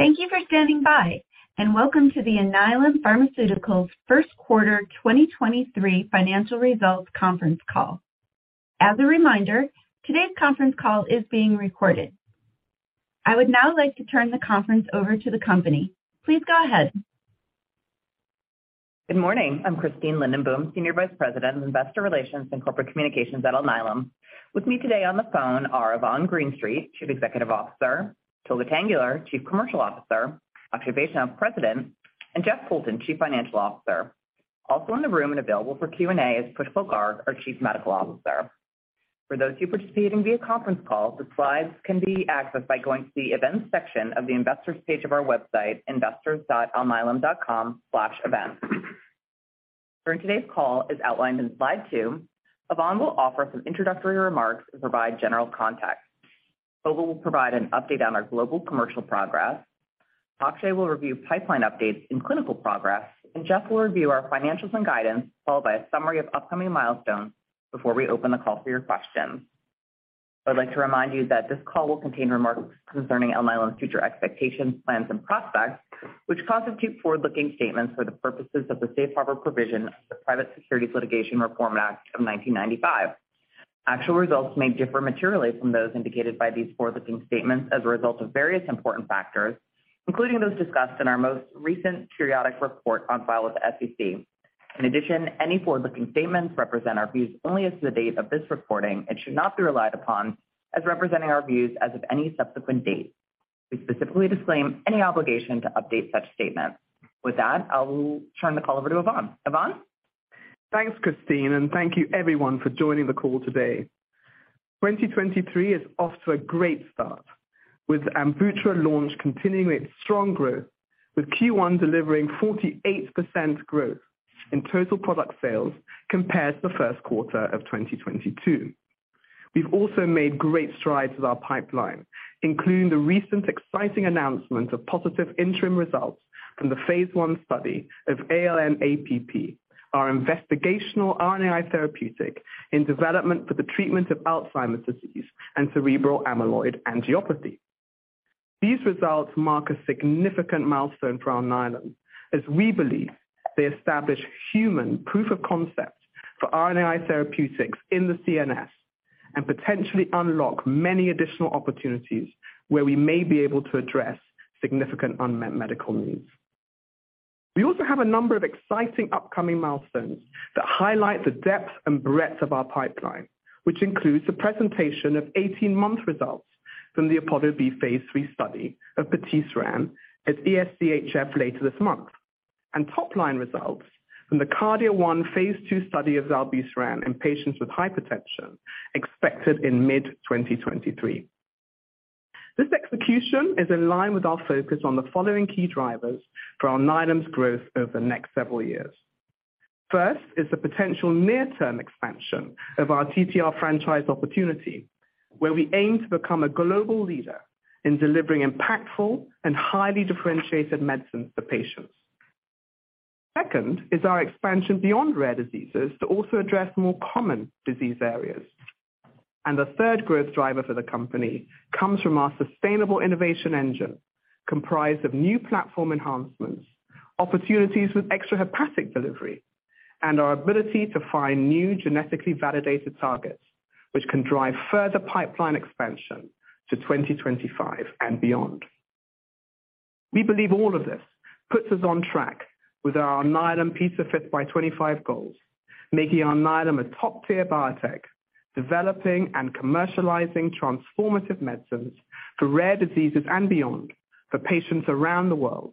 Thank you for standing by, and welcome to the Alnylam Pharmaceuticals first quarter 2023 financial results conference call. As a reminder, today's conference call is being recorded. I would now like to turn the conference over to the company. Please go ahead. Good morning. I'm Christine Lindenboom, Senior Vice President of Investor Relations and Corporate Communications at Alnylam. With me today on the phone are Yvonne Greenstreet, Chief Executive Officer, Tolga Tanguler, Chief Commercial Officer, Akshay Vaishnaw, President, and Jeff Poulton, Chief Financial Officer. Also in the room and available for Q&A is Pushkal Garg, our Chief Medical Officer. For those who participating via conference call, the slides can be accessed by going to the events section of the investor's page of our website, investors.alnylam.com/events. During today's call, as outlined in slide two, Yvonne will offer some introductory remarks and provide general context. Tolga will provide an update on our global commercial progress. Akshay will review pipeline updates and clinical progress, and Jeff will review our financials and guidance, followed by a summary of upcoming milestones before we open the call for your questions. I would like to remind you that this call will contain remarks concerning Alnylam's future expectations, plans, and prospects, which constitute forward-looking statements for the purposes of the safe harbor provision of the Private Securities Litigation Reform Act of 1995. Actual results may differ materially from those indicated by these forward-looking statements as a result of various important factors, including those discussed in our most recent periodic report on file with the SEC. Any forward-looking statements represent our views only as the date of this recording and should not be relied upon as representing our views as of any subsequent date. We specifically disclaim any obligation to update such statements. With that, I'll turn the call over to Yvonne. Yvonne? Thanks, Christine. Thank you everyone for joining the call today. 2023 is off to a great start with AMVUTTRA launch continuing its strong growth, with Q1 delivering 48% growth in total product sales compared to the first quarter of 2022. We've also made great strides with our pipeline, including the recent exciting announcement of positive interim results from the phase I study of ALN-APP, our investigational RNAi therapeutic in development for the treatment of Alzheimer's disease and cerebral amyloid angiopathy. These results mark a significant milestone for Alnylam, as we believe they establish human proof of concept for RNAi therapeutics in the CNS, and potentially unlock many additional opportunities where we may be able to address significant unmet medical needs. We also have a number of exciting upcoming milestones that highlight the depth and breadth of our pipeline, which includes the presentation of 18-month results from the APOLLO-B phase III study of patisiran at ESC HF later this month, and top-line results from the KARDIA-1 phase II study of zilebesiran in patients with hypertension expected in mid-2023. This execution is in line with our focus on the following key drivers for Alnylam's growth over the next several years. First is the potential near-term expansion of our TTR franchise opportunity, where we aim to become a global leader in delivering impactful and highly differentiated medicines to patients. Second is our expansion beyond rare diseases to also address more common disease areas. The third growth driver for the company comes from our sustainable innovation engine, comprised of new platform enhancements, opportunities with extrahepatic delivery, and our ability to find new genetically validated targets which can drive further pipeline expansion to 2025 and beyond. We believe all of this puts us on track with our Alnylam P5x25 goals, making Alnylam a top-tier biotech, developing and commercializing transformative medicines for rare diseases and beyond for patients around the world,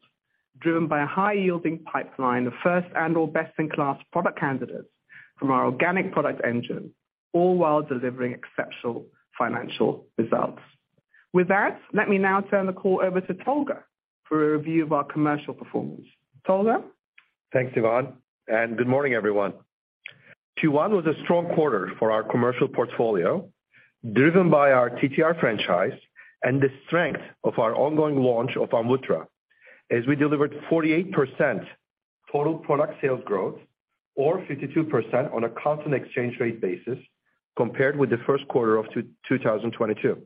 driven by a high-yielding pipeline of first and or best-in-class product candidates from our organic product engine, all while delivering exceptional financial results. With that, let me now turn the call over to Tolga for a review of our commercial performance. Tolga? Thanks, Yvonne. Good morning, everyone. Q1 was a strong quarter for our commercial portfolio, driven by our TTR franchise and the strength of our ongoing launch of AMVUTRA, as we delivered 48% total product sales growth or 52% on a constant exchange rate basis compared with the first quarter of 2022.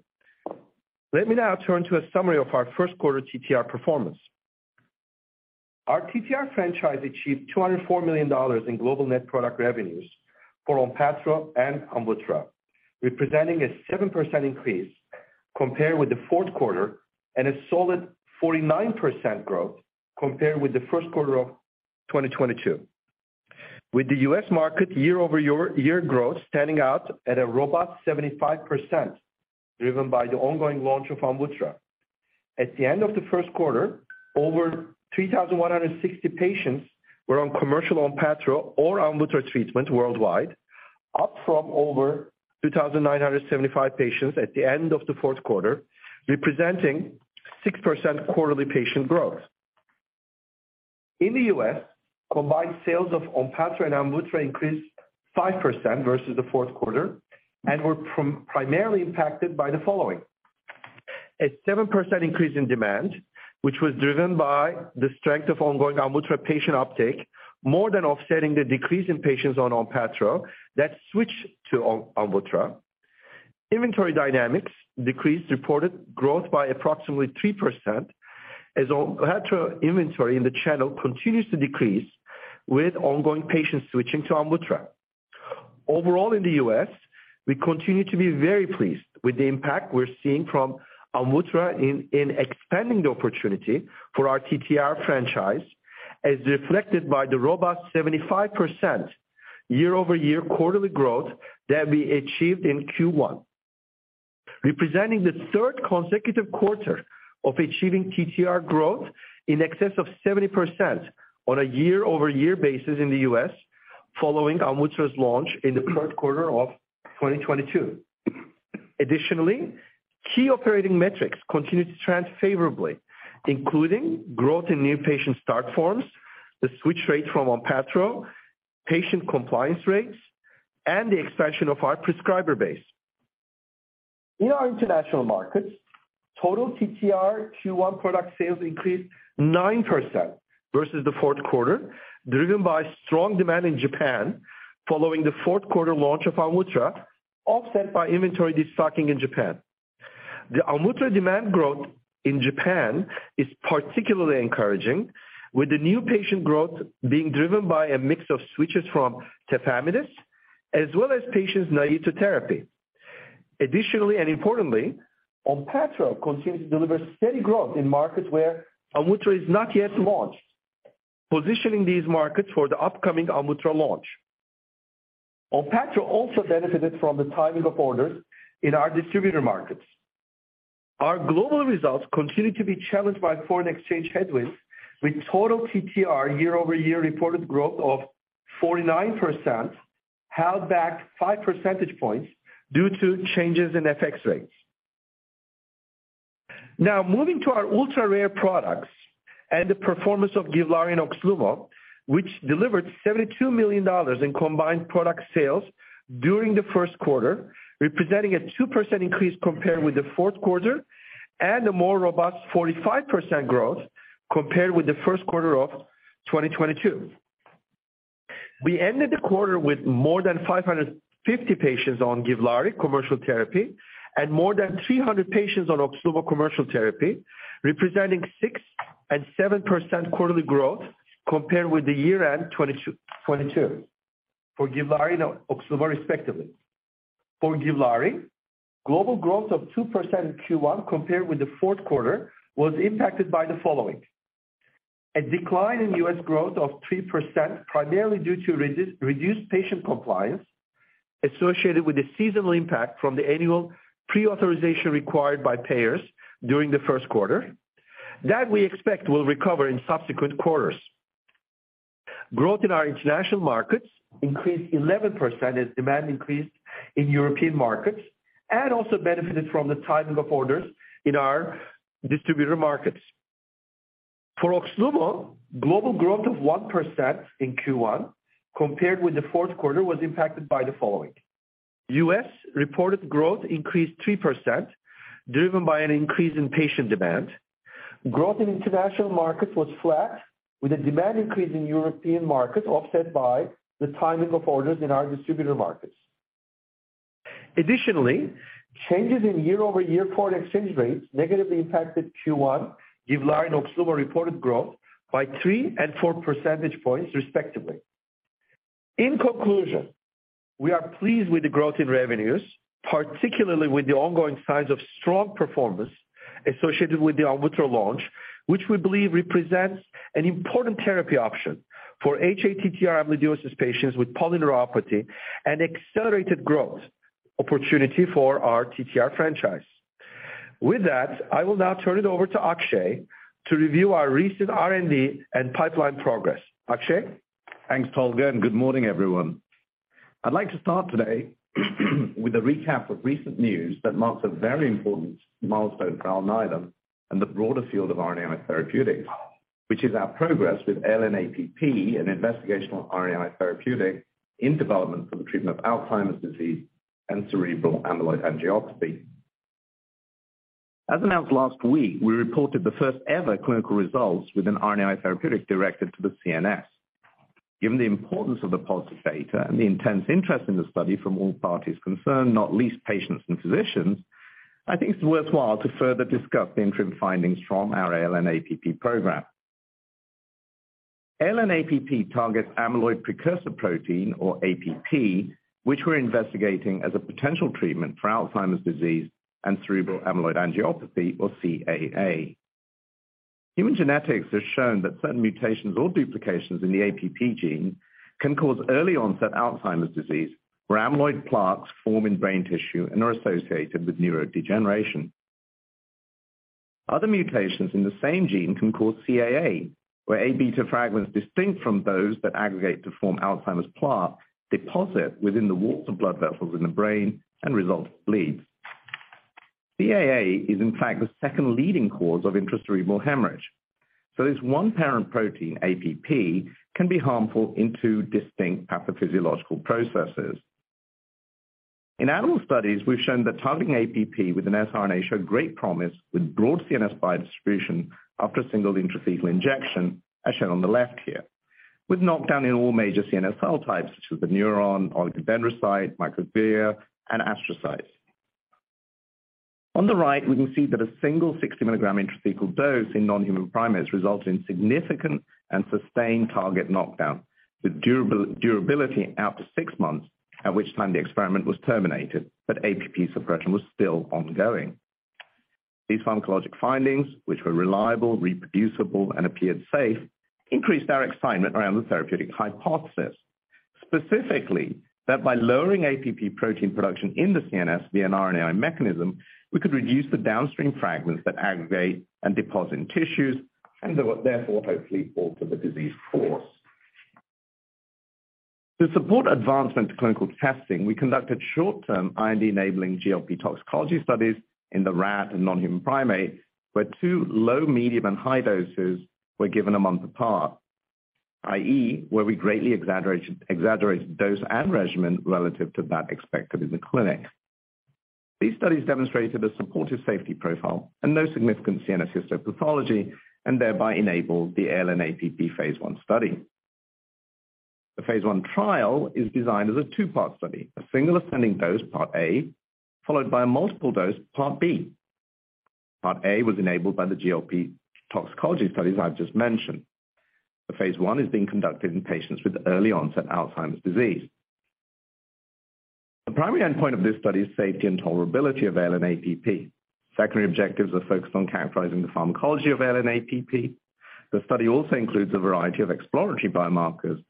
Let me now turn to a summary of our first quarter TTR performance. Our TTR franchise achieved $204 million in global net product revenues for ONPATTRO and AMVUTRA, representing a 7% increase compared with the fourth quarter and a solid 49% growth compared with the first quarter of 2022. With the U.S. market year-over-year growth standing out at a robust 75%, driven by the ongoing launch of AMVUTRA. At the end of the first quarter, over 3,160 patients were on commercial ONPATTRO or AMVUTTRA treatment worldwide, up from over 2,975 patients at the end of the fourth quarter, representing 6% quarterly patient growth. In the US, combined sales of ONPATTRO and AMVUTTRA increased 5% versus the fourth quarter and were primarily impacted by the following. A 7% increase in demand, which was driven by the strength of ongoing AMVUTTRA patient uptake, more than offsetting the decrease in patients on ONPATTRO that switched to AMVUTTRA. Inventory dynamics decreased reported growth by approximately 3% as ONPATTRO inventory in the channel continues to decrease with ongoing patient switching to AMVUTTRA. Overall in the U.S., we continue to be very pleased with the impact we're seeing from AMVUTTRA in expanding the opportunity for our ATTR franchise, as reflected by the robust 75% year-over-year quarterly growth that we achieved in Q1. Representing the third consecutive quarter of achieving ATTR growth in excess of 70% on a year-over-year basis in the U.S. following AMVUTTRA's launch in the fourth quarter of 2022. Key operating metrics continued to trend favorably, including growth in new patient start forms, the switch rate from ONPATTRO, patient compliance rates, and the expansion of our prescriber base. In our international markets, total ATTR Q1 product sales increased 9% versus the fourth quarter, driven by strong demand in Japan following the fourth quarter launch of AMVUTTRA, offset by inventory destocking in Japan. The AMVUTTRA demand growth in Japan is particularly encouraging, with the new patient growth being driven by a mix of switches from Tafamidis as well as patients naive to therapy. Additionally, and importantly, ONPATTRO continues to deliver steady growth in markets where AMVUTTRA is not yet launched, positioning these markets for the upcoming AMVUTTRA launch. ONPATTRO also benefited from the timing of orders in our distributor markets. Our global results continued to be challenged by foreign exchange headwinds, with total TTR year-over-year reported growth of 49% held back 5 percentage points due to changes in FX rates. Now, moving to our ultra-rare products and the performance of GIVLAARI and OXLUMO, which delivered $72 million in combined product sales during the first quarter, representing a 2% increase compared with the fourth quarter and a more robust 45% growth compared with the first quarter of 2022. We ended the quarter with more than 550 patients on GIVLAARI commercial therapy and more than 300 patients on OXLUMO commercial therapy, representing 6% and 7% quarterly growth compared with the year-end 2022 for GIVLAARI and OXLUMO respectively. For GIVLAARI, global growth of 2% in Q1 compared with the fourth quarter was impacted by the following. A decline in U.S. growth of 3%, primarily due to reduced patient compliance associated with the seasonal impact from the annual pre-authorization required by payers during the first quarter. That we expect will recover in subsequent quarters. Growth in our international markets increased 11% as demand increased in European markets and also benefited from the timing of orders in our distributor markets. For OXLUMO, global growth of 1% in Q1 compared with the fourth quarter was impacted by the following. U.S. reported growth increased 3%, driven by an increase in patient demand. Growth in international markets was flat, with a demand increase in European markets offset by the timing of orders in our distributor markets. Additionally, changes in year-over-year foreign exchange rates negatively impacted Q1 GIVLAARI and OXLUMO reported growth by 3 and 4 percentage points respectively. In conclusion, we are pleased with the growth in revenues, particularly with the ongoing signs of strong performance associated with the AMVUTTRA launch, which we believe represents an important therapy option for hATTR amyloidosis patients with polyneuropathy and accelerated growth opportunity for our TTR franchise. With that, I will now turn it over to Akshay to review our recent R&D and pipeline progress. Akshay? Thanks, Tolga. Good morning, everyone. I'd like to start today with a recap of recent news that marks a very important milestone for Alnylam and the broader field of RNA therapeutic, which is our progress with ALN-APP, an investigational RNA therapeutic in development for the treatment of Alzheimer's disease and cerebral amyloid angiopathy. As announced last week, we reported the first-ever clinical results with an RNA therapeutic directed to the CNS. Given the importance of the positive data and the intense interest in the study from all parties concerned, not least patients and physicians, I think it's worthwhile to further discuss the interim findings from our ALN-APP program. ALN-APP targets amyloid precursor protein or APP, which we're investigating as a potential treatment for Alzheimer's disease and cerebral amyloid angiopathy or CAA. Human genetics has shown that certain mutations or duplications in the APP gene can cause early-onset Alzheimer's disease, where amyloid plaques form in brain tissue and are associated with neurodegeneration. Other mutations in the same gene can cause CAA, where Abeta fragments distinct from those that aggregate to form Alzheimer's plaque deposit within the walls of blood vessels in the brain and result in bleeds. CAA is in fact the second leading cause of intracerebral hemorrhage. This 1 parent protein, APP, can be harmful in 2 distinct pathophysiological processes. In animal studies, we've shown that targeting APP with an sRNA showed great promise with broad CNS biodistribution after a single intrathecal injection, as shown on the left here. With knockdown in all major CNS cell types, such as the neuron, oligodendrocyte, microglia, and astrocytes. On the right, we can see that a single 60 milligram intrathecal dose in non-human primates resulted in significant and sustained target knockdown with durability out to 6 months, at which time the experiment was terminated, APP suppression was still ongoing. These pharmacologic findings, which were reliable, reproducible, and appeared safe, increased our excitement around the therapeutic hypothesis. Specifically, that by lowering APP protein production in the CNS via an RNAi mechanism, we could reduce the downstream fragments that aggregate and deposit in tissues and therefore hopefully alter the disease course. To support advancement to clinical testing, we conducted short-term IND-enabling GLP toxicology studies in the rat and non-human primate, where 2 low, medium, and high doses were given a month apart. I.e., where we greatly exaggerated dose and regimen relative to that expected in the clinic. These studies demonstrated a supportive safety profile and no significant CNS histopathology and thereby enabled the ALN-APP phase I study. The phase I trial is designed as a 2-part study, a single ascending dose, Part A, followed by a multiple dose, Part B. Part A was enabled by the GLP toxicology studies I've just mentioned. The phase I is being conducted in patients with early-onset Alzheimer's disease. The primary endpoint of this study is safety and tolerability of ALN-APP. Secondary objectives are focused on characterizing the pharmacology of ALN-APP. The study also includes a variety of exploratory biomarkers,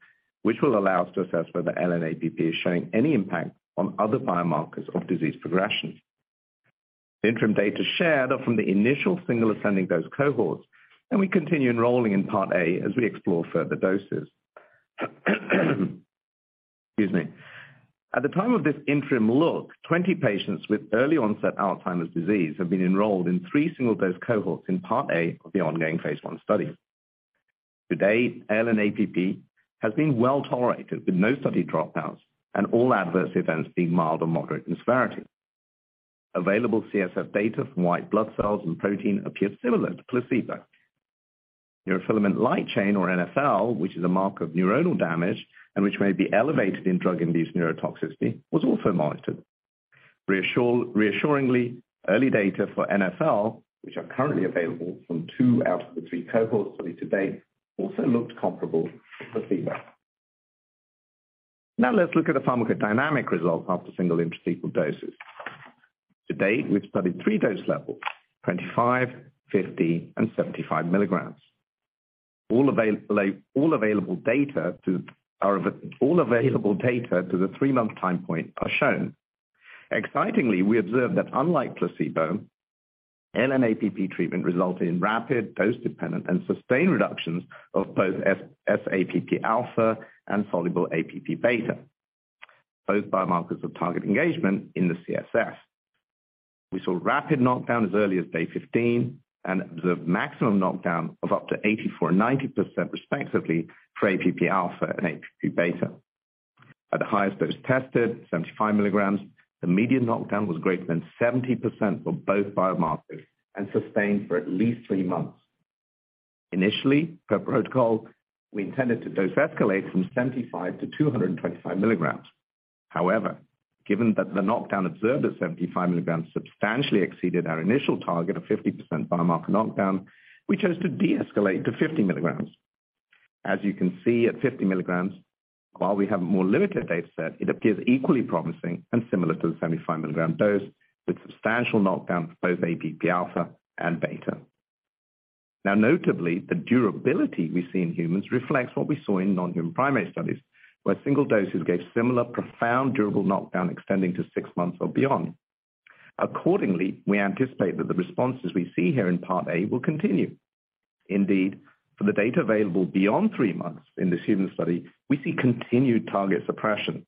which will allow us to assess whether ALN-APP is showing any impact on other biomarkers of disease progression. The interim data shared are from the initial single ascending dose cohorts, and we continue enrolling in Part A as we explore further doses. Excuse me. At the time of this interim look, 20 patients with early-onset Alzheimer's disease have been enrolled in three single-dose cohorts in Part A of the ongoing phase I study. To date, ALN-APP has been well tolerated with no study dropouts and all adverse events being mild or moderate in severity. Available CSF data from white blood cells and protein appear similar to placebo. Neurofilament light chain or NfL, which is a marker of neuronal damage and which may be elevated in drug-induced neurotoxicity, was also monitored. Reassuringly, early data for NfL, which are currently available from two out of the three cohorts studied to date, also looked comparable to placebo. Let's look at the pharmacodynamic results after single intrathecal doses. To date, we've studied three dose levels: 25, 50, and 75 milligrams. All available data to the 3-month time point are shown. Excitingly, we observed that unlike placebo, ALN-APP treatment resulted in rapid dose-dependent and sustained reductions of both APP-alpha and soluble APP-beta, both biomarkers of target engagement in the CSF. We saw rapid knockdown as early as day 15 and observed maximum knockdown of up to 84% and 90% respectively for APP-alpha and APP-beta. At the highest dose tested, 75 milligrams, the median knockdown was greater than 70% for both biomarkers and sustained for at least 3 months. Initially, per protocol, we intended to dose escalate from 75 to 225 milligrams. Given that the knockdown observed at 75 milligrams substantially exceeded our initial target of 50% biomarker knockdown, we chose to de-escalate to 50 milligrams. As you can see at 50 milligrams, while we have a more limited data set, it appears equally promising and similar to the 75 milligram dose with substantial knockdown for both APP-alpha and beta. Now notably, the durability we see in humans reflects what we saw in non-human primate studies, where single doses gave similar profound durable knockdown extending to six months or beyond. Accordingly, we anticipate that the responses we see here in Part A will continue. Indeed, for the data available beyond three months in this human study, we see continued target suppression.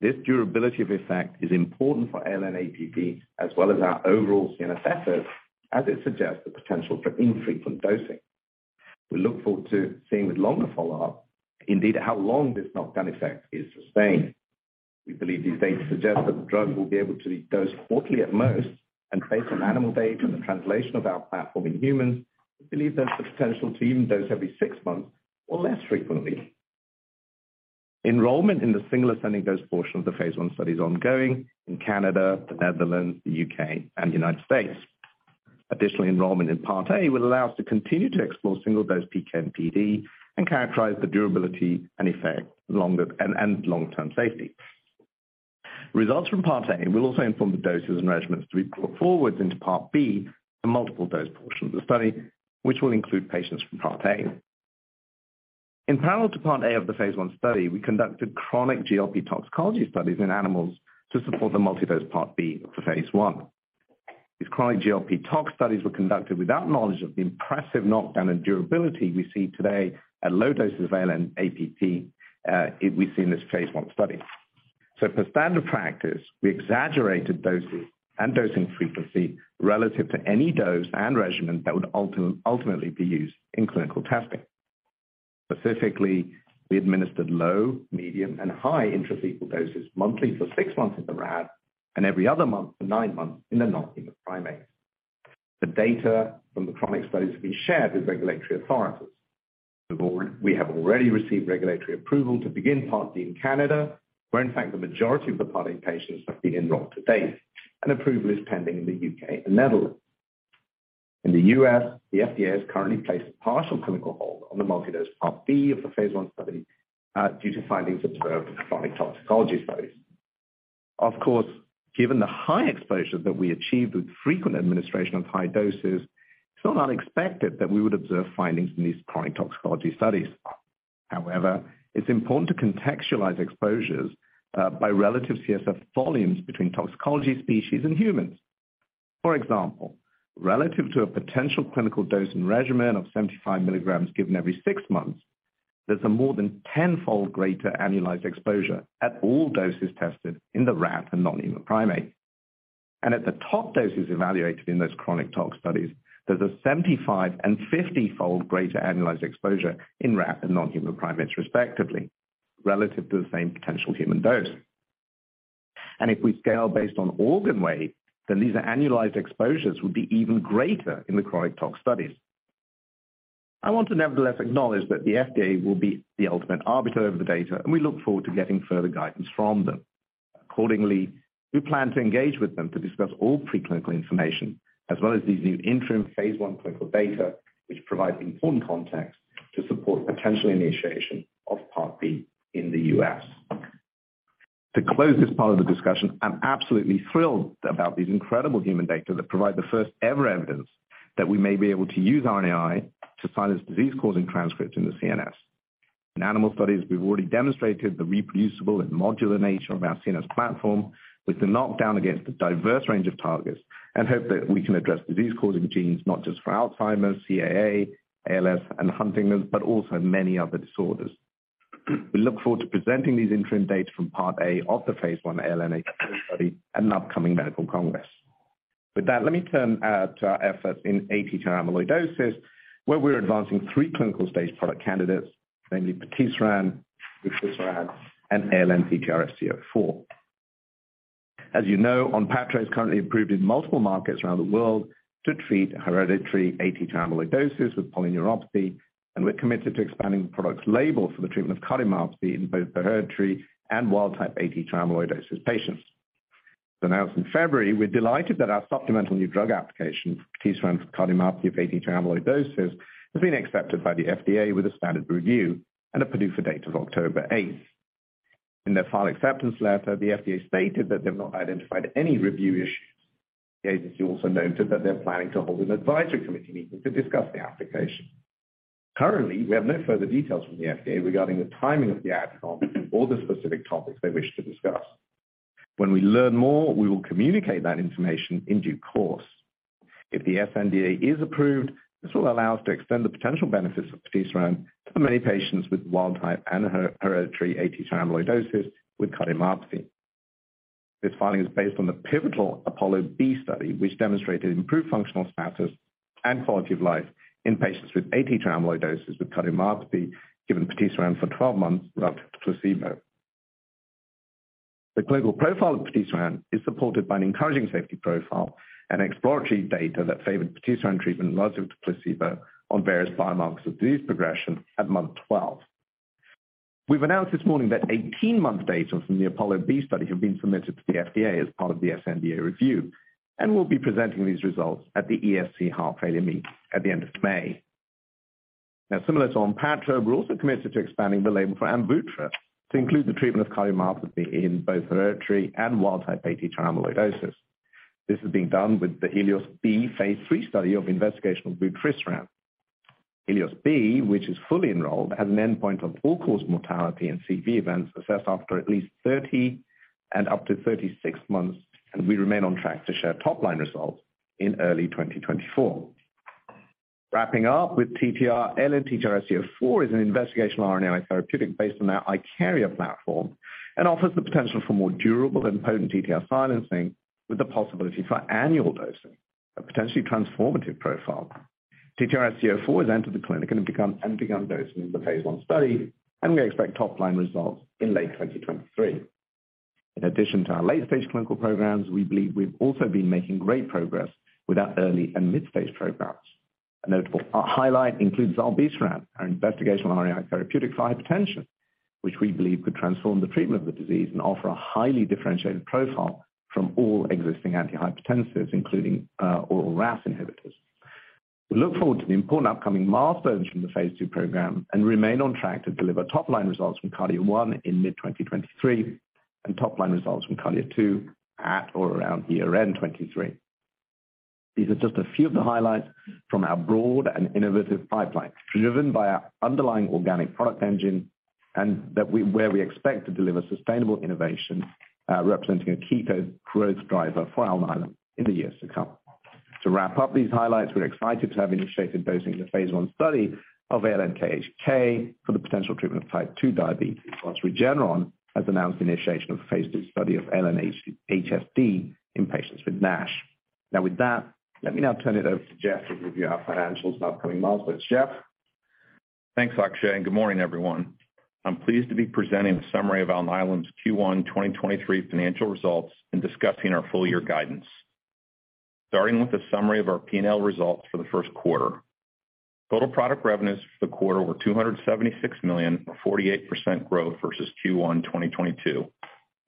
This durability of effect is important for ALN-APP as well as our overall CNS assets, as it suggests the potential for infrequent dosing. We look forward to seeing with longer follow-up indeed how long this knockdown effect is sustained. We believe these data suggest that the drug will be able to be dosed quarterly at most. Based on animal data and the translation of our platform in humans, we believe there's the potential to even dose every 6 months or less frequently. Enrollment in the single ascending dose portion of the phase I study is ongoing in Canada, the Netherlands, the U.K., and United States. Additional enrollment in Part A will allow us to continue to explore single-dose PK and PD and characterize the durability and effect longer and long-term safety. Results from Part A will also inform the doses and regimens to be brought forward into Part B, the multiple-dose portion of the study, which will include patients from Part A. In parallel to Part A of the phase I study, we conducted chronic GLP toxicology studies in animals to support the multi-dose Part B for phase I. These chronic GLP tox studies were conducted without knowledge of the impressive knockdown and durability we see today at low doses of ALN-APP, we see in this phase I study. For standard practice, we exaggerated dosing and dosing frequency relative to any dose and regimen that would ultimately be used in clinical testing. Specifically, we administered low, medium, and high intrathecal doses monthly for 6 months in the rat and every other month for nine months in the non-human primates. The data from the chronic studies will be shared with regulatory authorities. We have already received regulatory approval to begin Part B in Canada, where in fact, the majority of the parting patients have been enrolled to date, and approval is pending in the U.K. and Netherlands. In the U.S., the FDA has currently placed a partial clinical hold on the multi-dose Part B of the phase I study, due to findings observed in chronic toxicology studies. Of course, given the high exposure that we achieved with frequent administration of high doses, it's not unexpected that we would observe findings in these chronic toxicology studies. However, it's important to contextualize exposures by relative CSF volumes between toxicology species and humans. For example, relative to a potential clinical dosing regimen of 75 milligrams given every 6 months, there's a more than 10-fold greater annualized exposure at all doses tested in the rat and non-human primate. At the top doses evaluated in those chronic tox studies, there's a 75 and 50-fold greater annualized exposure in rat and non-human primates, respectively, relative to the same potential human dose. If we scale based on organ weight, then these annualized exposures would be even greater in the chronic tox studies. I want to nevertheless acknowledge that the FDA will be the ultimate arbiter of the data, and we look forward to getting further guidance from them. Accordingly, we plan to engage with them to discuss all preclinical information, as well as these new interim phase I clinical data, which provides important context to support potential initiation of Part B in the U.S. To close this part of the discussion, I'm absolutely thrilled about these incredible human data that provide the first-ever evidence that we may be able to use RNAi to silence disease-causing transcripts in the CNS. In animal studies, we've already demonstrated the reproducible and modular nature of our CNS platform with the knockdown against a diverse range of targets and hope that we can address disease-causing genes not just for Alzheimer's, CAA, ALS, and Huntington, but also many other disorders. We look forward to presenting these interim data from Part A of the phase I ALN-A study at an upcoming medical congress. With that, let me turn to our efforts in ATTR amyloidosis, where we're advancing 3 clinical stage product candidates, namely patisiran, vutrisiran, and ALN-TTRsc04. As you know, ONPATTRO is currently approved in multiple markets around the world to treat hereditary ATTR amyloidosis with polyneuropathy, and we're committed to expanding the product's label for the treatment of cardiomyopathy in both the hereditary and wild type ATTR amyloidosis patients. Announced in February, we're delighted that our supplemental new drug application for patisiran for cardiomyopathy of ATTR amyloidosis has been accepted by the FDA with a standard review and a PDUFA date of October 8th. In their file acceptance letter, the FDA stated that they've not identified any review issues. The agency also noted that they're planning to hold an advisory committee meeting to discuss the application. Currently, we have no further details from the FDA regarding the timing of the adcom or the specific topics they wish to discuss. When we learn more, we will communicate that information in due course. If the SNDA is approved, this will allow us to extend the potential benefits of patisiran to the many patients with wild type and hereditary ATTR amyloidosis with cardiomyopathy. This filing is based on the pivotal APOLLO-B study, which demonstrated improved functional status and quality of life in patients with ATTR amyloidosis with cardiomyopathy given patisiran for 12 months relative to placebo. The clinical profile of patisiran is supported by an encouraging safety profile and exploratory data that favored patisiran treatment relative to placebo on various biomarkers of disease progression at month 12. We've announced this morning that 18-month data from the APOLLO-B study have been submitted to the FDA as part of the SNDA review. We'll be presenting these results at the ESC Heart Failure Meet at the end of May. Similar to ONPATTRO, we're also committed to expanding the label for AMVUTTRA to include the treatment of cardiomyopathy in both hereditary and wild type ATTR amyloidosis. This is being done with the HELIOS-B phase III study of investigational vutrisiran. HELIOS-B, which is fully enrolled, has an endpoint on all-cause mortality and CV events assessed after at least 30 and up to 36 months. We remain on track to share top-line results in early 2024. Wrapping up with TTR, ALN-TTRsc04 is an investigational RNA therapeutic based on our IKARIA platform and offers the potential for more durable and potent TTR silencing with the possibility for annual dosing, a potentially transformative profile. TTRsc04 has entered the clinic and begun dosing in the phase I study. We expect top-line results in late 2023. In addition to our late-stage clinical programs, we believe we've also been making great progress with our early and mid-phase programs. A notable highlight includes zilebesiran, our investigational RNA therapeutic for hypertension, which we believe could transform the treatment of the disease and offer a highly differentiated profile from all existing antihypertensives, including oral RAS inhibitors. We look forward to the important upcoming milestones from the phase II program and remain on track to deliver top-line results from KARDIA-1 in mid 2023 and top-line results from KARDIA-2 at or around year-end 2023. These are just a few of the highlights from our broad and innovative pipeline, driven by our underlying organic product engine where we expect to deliver sustainable innovation, representing a key to growth driver for Alnylam in the years to come. To wrap up these highlights, we're excited to have initiated dosing the phase I study of ALN-KHK for the potential treatment of Type 2 diabetes, whilst Regeneron has announced the initiation of a phase II study of ALN-HSD in patients with NASH. With that, let me now turn it over to Jeff to review our financials and upcoming milestones. Jeff? Thanks, Akshay. Good morning, everyone. I'm pleased to be presenting the summary of Alnylam's Q1 2023 financial results and discussing our full-year guidance. Starting with a summary of our P&L results for the first quarter. Total product revenues for the quarter were $276 million, a 48% growth versus Q1 2022.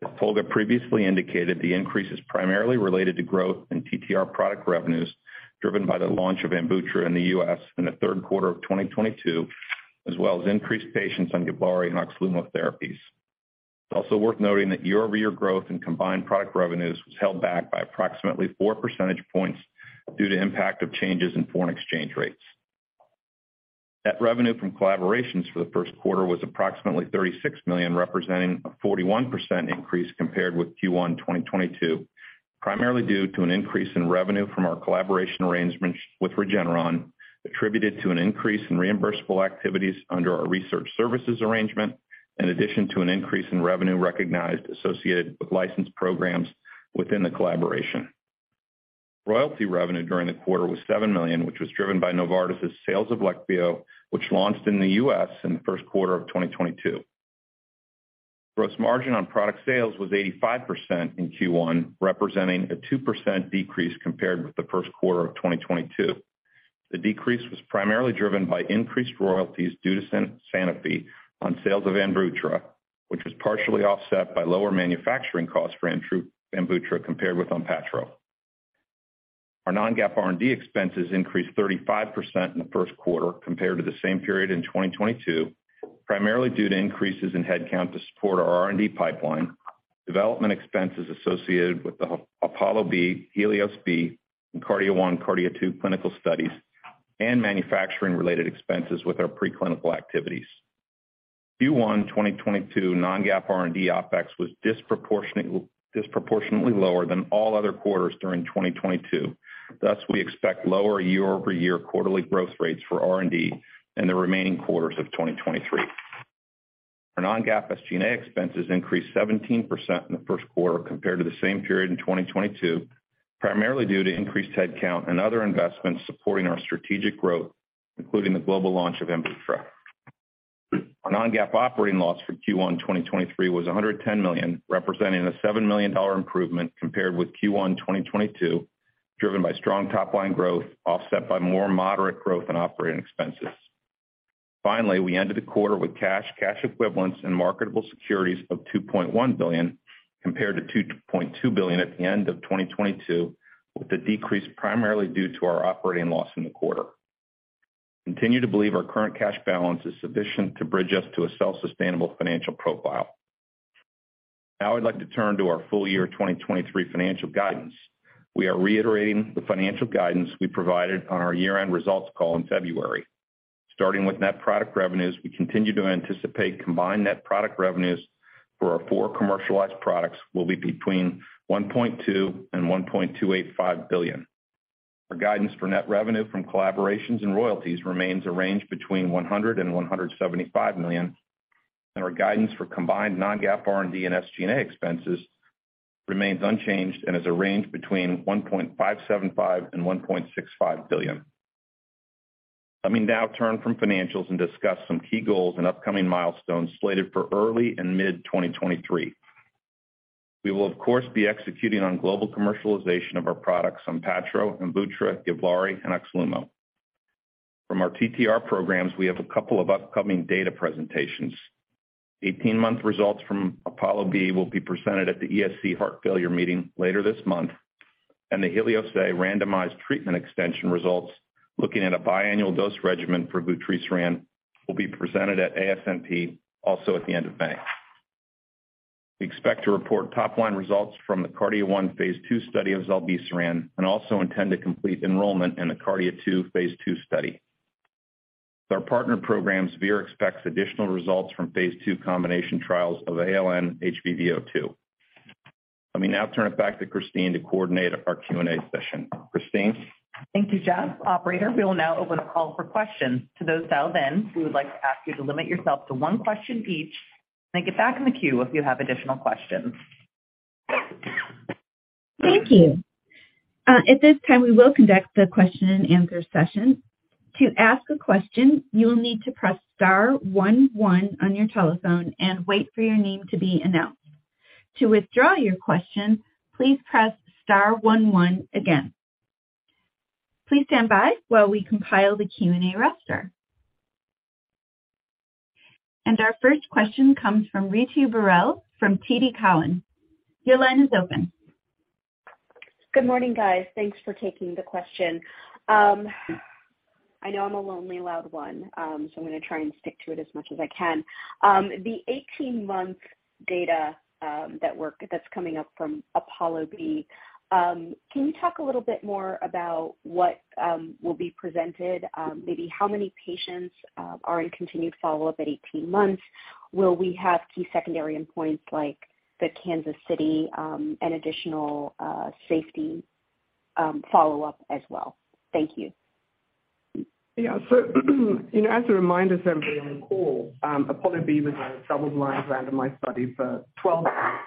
As Tolga previously indicated, the increase is primarily related to growth in TTR product revenues, driven by the launch of AMVUTTRA in the US in the third quarter of 2022, as well as increased patients on GIVLAARI and OXLUMO therapies. It's also worth noting that year-over-year growth in combined product revenues was held back by approximately four percentage points due to impact of changes in foreign exchange rates. Net revenue from collaborations for the first quarter was approximately $36 million, representing a 41% increase compared with Q1 2022, primarily due to an increase in revenue from our collaboration arrangements with Regeneron, attributed to an increase in reimbursable activities under our research services arrangement, in addition to an increase in revenue recognized associated with licensed programs within the collaboration. Royalty revenue during the quarter was $7 million, which was driven by Novartis' sales of Leqvio, which launched in the U.S. in the first quarter of 2022. Gross margin on product sales was 85% in Q1, representing a 2% decrease compared with the first quarter of 2022. The decrease was primarily driven by increased royalties due to Sanofi on sales of AMVUTTRA, which was partially offset by lower manufacturing costs for AMVUTTRA compared with ONPATTRO. Our non-GAAP R&D expenses increased 35% in the first quarter compared to the same period in 2022, primarily due to increases in headcount to support our R&D pipeline, development expenses associated with the APOLLO-B, HELIOS-B, and KARDIA-1, KARDIA-2 clinical studies, and manufacturing-related expenses with our preclinical activities. Q1 2022 non-GAAP R&D OpEx was disproportionately lower than all other quarters during 2022. We expect lower year-over-year quarterly growth rates for R&D in the remaining quarters of 2023. Our non-GAAP SG&A expenses increased 17% in the first quarter compared to the same period in 2022, primarily due to increased headcount and other investments supporting our strategic growth, including the global launch of AMVUTTRA. Our non-GAAP operating loss for Q1 2023 was $110 million, representing a $7 million improvement compared with Q1 2022, driven by strong top line growth, offset by more moderate growth in operating expenses. We ended the quarter with cash equivalents, and marketable securities of $2.1 billion, compared to $2.2 billion at the end of 2022, with the decrease primarily due to our operating loss in the quarter. We continue to believe our current cash balance is sufficient to bridge us to a self-sustainable financial profile. I'd like to turn to our full year 2023 financial guidance. We are reiterating the financial guidance we provided on our year-end results call in February. Starting with net product revenues, we continue to anticipate combined net product revenues for our four commercialized products will be between $1.2 billion-$1.285 billion. Our guidance for net revenue from collaborations and royalties remains a range between $100 million-$175 million, and our guidance for combined non-GAAP R&D and SG&A expenses remains unchanged and is a range between $1.575 billion-$1.65 billion. Let me now turn from financials and discuss some key goals and upcoming milestones slated for early and mid 2023. We will of course be executing on global commercialization of our products, ONPATTRO, AMVUTTRA, GIVLAARI, and OXLUMO. From our TTR programs, we have a couple of upcoming data presentations. 18-month results from APOLLO-B will be presented at the ESC Heart Failure meeting later this month, and the HELIOS-A randomized treatment extension results looking at a biannual dose regimen for vutrisiran will be presented at ASNP also at the end of May. We expect to report top-line results from the KARDIA-1 phase II study of zilebesiran and also intend to complete enrollment in the KARDIA-2 phase II study. With our partner programs, Vir expects additional results from phase II combination trials of ALN-HBV02. Let me now turn it back to Christine to coordinate our Q&A session. Christine? Thank you, Jeff. Operator, we will now open the call for questions. To those dialed in, we would like to ask you to limit yourself to one question each, then get back in the queue if you have additional questions. Thank you. At this time, we will conduct the question and answer session. To ask a question, you will need to press star one one on your telephone and wait for your name to be announced. To withdraw your question, please press star one one again. Please stand by while we compile the Q&A roster. Our first question comes from Ritu Baral from TD Cowen. Your line is open. Good morning, guys. Thanks for taking the question. I know I'm a lonely, loud one, so I'm gonna try and stick to it as much as I can. The 18-month data, that's coming up from APOLLO-B, can you talk a little bit more about what will be presented? Maybe how many patients are in continued follow-up at 18 months? Will we have key secondary endpoints like the Kansas City, and additional safety follow-up as well? Thank you. Yeah. You know, as a reminder to everybody on the call, APOLLO-B was a double-blind randomized study for 12 months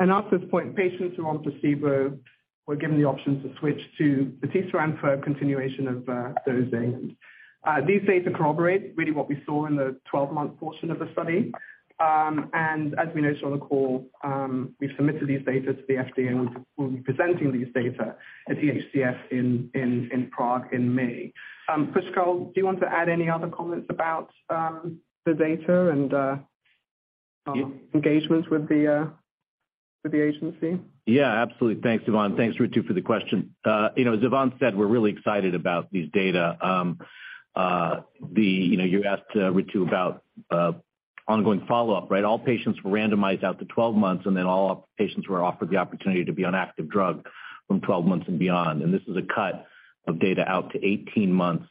At this point, patients who are on placebo were given the option to switch to patisiran for continuation of dosing. These data corroborate really what we saw in the 12-month portion of the study. As we noted on the call, we've submitted these data to the FDA, and we'll be presenting these data at EHSF in Prague in May. Pushkal, do you want to add any other comments about the data and engagements with the agency? Absolutely. Thanks, Yvonne. Thanks, Ritu, for the question. You know, as Yvonne said, we're really excited about these data. You know, you asked, Ritu, about ongoing follow-up, right? All patients were randomized out to 12 months, and then all patients were offered the opportunity to be on active drug from 12 months and beyond. This is a cut of data out to 18 months.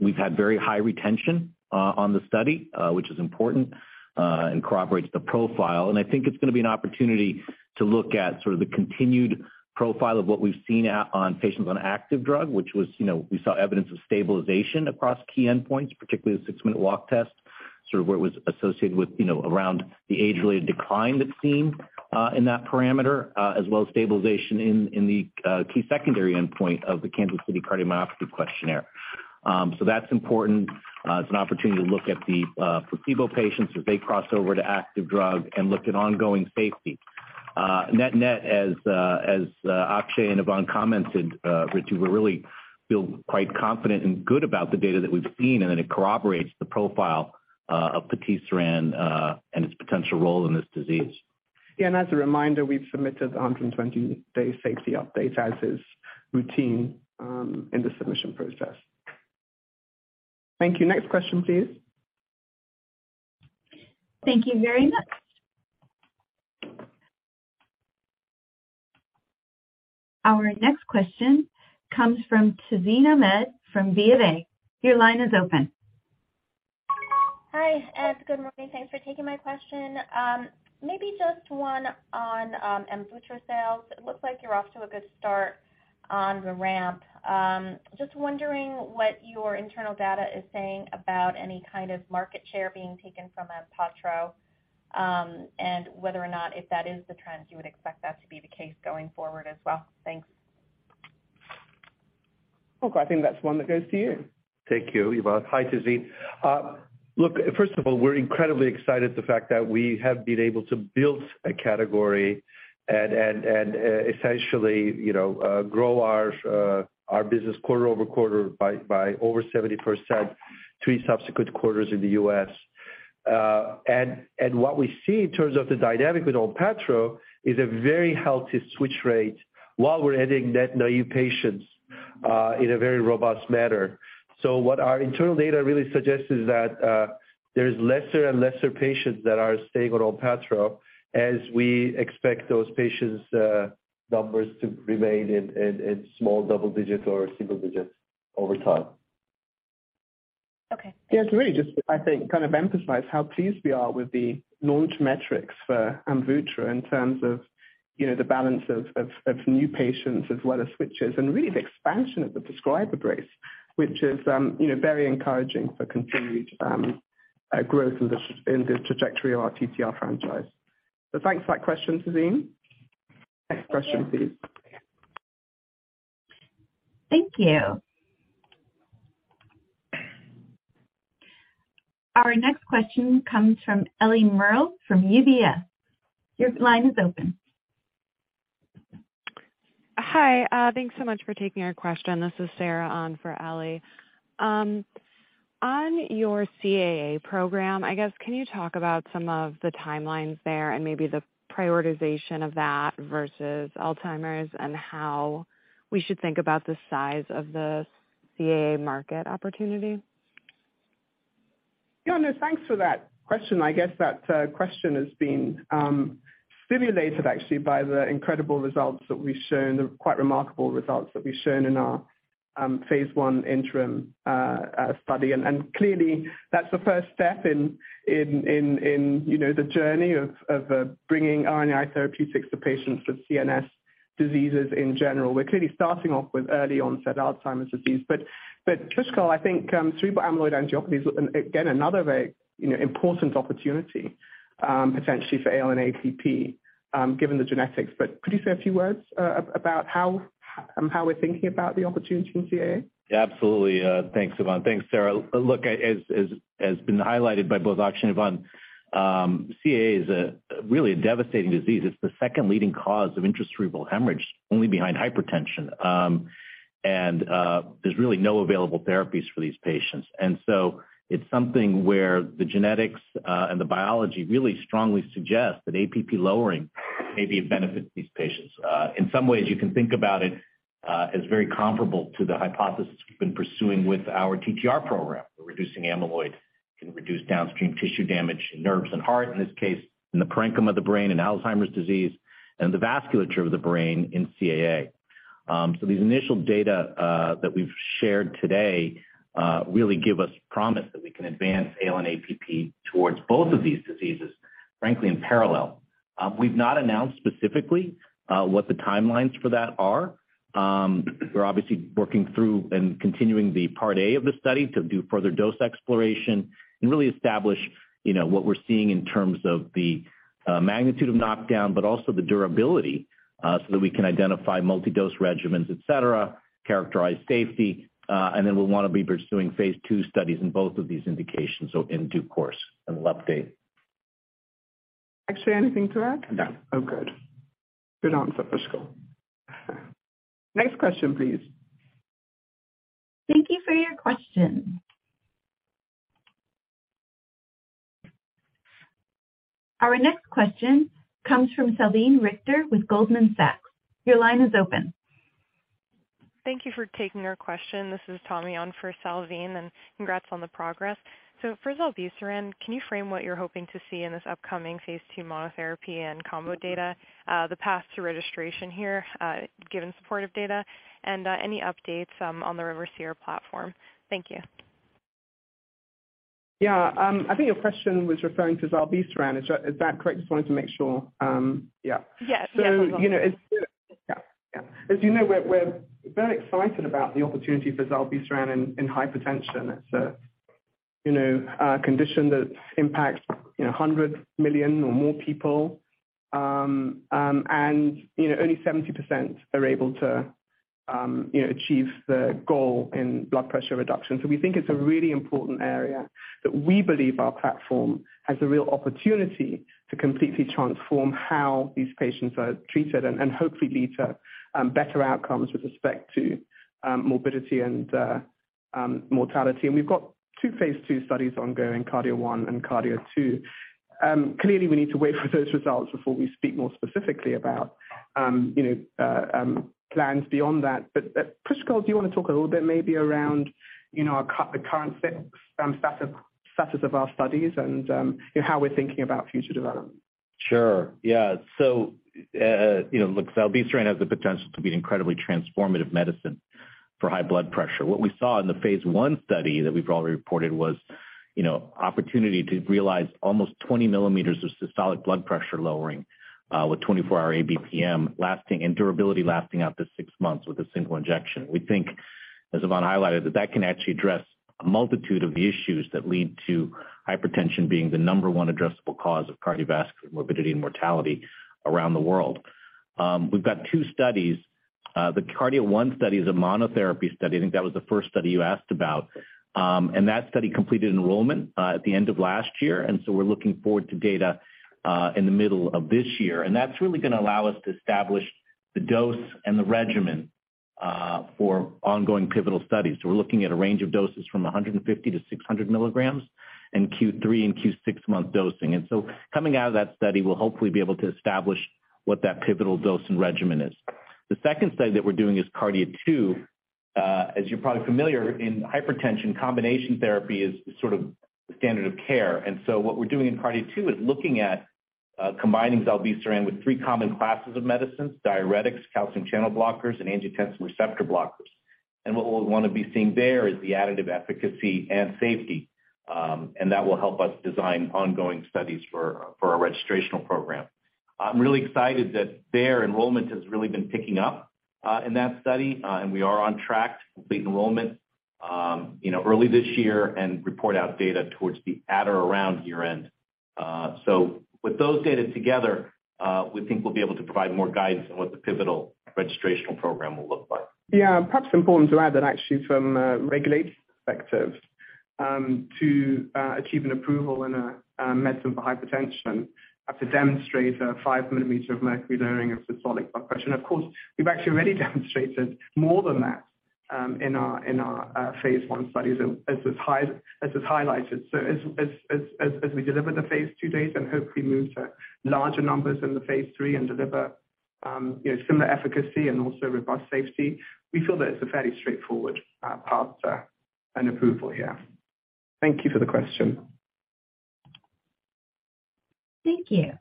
We've had very high retention on the study, which is important and corroborates the profile. I think it's gonna be an opportunity to look at sort of the continued profile of what we've seen out on patients on active drug, which was, you know, we saw evidence of stabilization across key endpoints, particularly the six-minute walk test, sort of where it was associated with, you know, around the age-related decline that's seen in that parameter, as well as stabilization in the key secondary endpoint of the Kansas City Cardiomyopathy Questionnaire. That's important. It's an opportunity to look at the placebo patients as they cross over to active drug and look at ongoing safety. Net-net, as Akshay and Yvonne commented, Ritu, we really feel quite confident and good about the data that we've seen and that it corroborates the profile of patisiran and its potential role in this disease. Yeah. As a reminder, we've submitted the 120-day safety update as is routine in the submission process. Thank you. Next question, please. Thank you very much. Our next question comes from Tazeen Ahmad from Bank of America. Your line is open. Hi, Ed. Good morning. Thanks for taking my question. Maybe just one on AMVUTTRA sales. It looks like you're off to a good start on the ramp. Just wondering what your internal data is saying about any kind of market share being taken from ONPATTRO, and whether or not if that is the trend, you would expect that to be the case going forward as well. Thanks. Tolga, I think that's one that goes to you. Thank you, Yvonne. Hi, Tazeen. Look, first of all, we're incredibly excited the fact that we have been able to build a category and essentially, you know, grow our business quarter-over-quarter by over 70%, three subsequent quarters in the U.S. What we see in terms of the dynamic with ONPATTRO is a very healthy switch rate while we're adding net naive patients in a very robust manner. What our internal data really suggests is that there's lesser and lesser patients that are staying on ONPATTRO as we expect those patients numbers to remain in small double digits or single digits over time. Okay. To really just, I think, kind of emphasize how pleased we are with the launch metrics for AMVUTTRA in terms of, you know, the balance of new patients as well as switches and really the expansion of the prescriber base, which is, you know, very encouraging for continued growth in this trajectory of our TTR franchise. Thanks for that question, Tazeen. Thank you. Next question, please. Thank you. Our next question comes from Eliana Merle from UBS. Your line is open. Hi. Thanks so much for taking our question. This is Sarah on for Ellie. On your CAA program, I guess, can you talk about some of the timelines there and maybe the prioritization of that versus Alzheimer's and how we should think about the size of the CAA market opportunity? Yeah, no, thanks for that question. I guess that question has been simulated actually by the incredible results that we've shown, the quite remarkable results that we've shown in our phase I interim study. Clearly that's the first step in, you know, the journey of bringing RNA therapeutics to patients with CNS diseases in general. We're clearly starting off with early onset Alzheimer's disease. Pushkal, I think cerebral amyloid angiopathy is again another very, you know, important opportunity, potentially for ALN-APP, given the genetics. Could you say a few words about how we're thinking about the opportunity in CAA? Yeah, absolutely. Thanks, Yvonne. Thanks, Sarah. Look, as been highlighted by both Akshay and Yvonne, CAA is a really devastating disease. It's the second leading cause of intracerebral hemorrhage, only behind hypertension. There's really no available therapies for these patients. It's something where the genetics and the biology really strongly suggest that APP lowering may be a benefit to these patients. In some ways, you can think about it as very comparable to the hypothesis we've been pursuing with our TTR program. Reducing amyloid can reduce downstream tissue damage in nerves and heart, in this case, in the parenchyma of the brain in Alzheimer's disease and the vasculature of the brain in CAA. These initial data that we've shared today really give us promise that we can advance ALN-APP towards both of these diseases, frankly, in parallel. We've not announced specifically what the timelines for that are. We're obviously working through and continuing the part A of the study to do further dose exploration and really establish, you know, what we're seeing in terms of the magnitude of knockdown, but also the durability so that we can identify multi-dose regimens, et cetera, characterize safety, and then we'll wanna be pursuing phase II studies in both of these indications. In due course, and we'll update. Actually, anything to add? No. Oh, good. Good answer, Prisco. Next question, please. Thank you for your question. Our next question comes from Salveen Richter with Goldman Sachs. Your line is open. Thank you for taking our question. This is Tommy on for Salveen. Congrats on the progress. For zilebesiran, can you frame what you're hoping to see in this upcoming phase II monotherapy and combo data, the path to registration here, given supportive data, and any updates on the Revusiran platform? Thank you. Yeah. I think your question was referring to zilebesiran. Is that correct? Just wanted to make sure. Yeah. Yes. Yes. You know. Yeah. As you know, we're very excited about the opportunity for zilebesiran in hypertension. It's a, you know, a condition that impacts, you know, 100 million or more people. And, you know, only 70% are able to, you know, achieve the goal in blood pressure reduction. We think it's a really important area that we believe our platform has a real opportunity to completely transform how these patients are treated and hopefully lead to better outcomes with respect to morbidity and mortality. We've got 2 phase II studies ongoing, KARDIA-1 and KARDIA-2. Clearly we need to wait for those results before we speak more specifically about, you know, plans beyond that. Prisco, do you wanna talk a little bit maybe around, you know, our current status of our studies and, you know, how we're thinking about future development? Sure. Yeah. you know, look, zilebesiran has the potential to be an incredibly transformative medicine for high blood pressure. What we saw in the phase I study that we've already reported was, you know, opportunity to realize almost 20 millimeters of systolic blood pressure lowering, with 24-hour ABPM lasting and durability lasting up to 6 months with a single injection. We think, as Yvonne highlighted, that that can actually address a multitude of issues that lead to hypertension being the number 1 addressable cause of cardiovascular morbidity and mortality around the world. We've got 2 studies. The KARDIA-1 study is a monotherapy study. I think that was the first study you asked about. That study completed enrollment at the end of last year, we're looking forward to data in the middle of this year. That's really gonna allow us to establish the dose and the regimen for ongoing pivotal studies. We're looking at a range of doses from 150 to 600 milligrams in Q3 and Q6-month dosing. Coming out of that study, we'll hopefully be able to establish what that pivotal dose and regimen is. The second study that we're doing is KARDIA-2. As you're probably familiar, in hypertension, combination therapy is sort of the standard of care. What we're doing in KARDIA-2 is looking at combining zilebesiran with 3 common classes of medicines, diuretics, calcium channel blockers, and angiotensin receptor blockers. What we'll wanna be seeing there is the additive efficacy and safety, and that will help us design ongoing studies for our registrational program. I'm really excited that their enrollment has really been picking up in that study, and we are on track to complete enrollment early this year and report out data towards the at or around year-end. With those data together, we think we'll be able to provide more guidance on what the pivotal registrational program will look like. Yeah. Perhaps important to add that actually from a regulatory perspective, to achieve an approval in a medicine for hypertension, have to demonstrate a 5 millimeter of mercury lowering of systolic blood pressure. Of course, we've actually already demonstrated more than that, in our phase I studies as is highlighted. As we deliver the phase II data and hopefully move to larger numbers in the phase III and deliver, you know, similar efficacy and also robust safety, we feel that it's a fairly straightforward path to an approval here. Thank you for the question. Thank you.